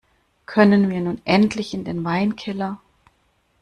Können wir nun endlich in den Weinkeller?